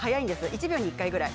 １秒に１回ぐらい。